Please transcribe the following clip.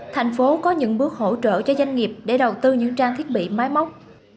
thành phố có những bước hỗ trợ cho doanh nghiệp để đầu tư những trang thiết bị máy móc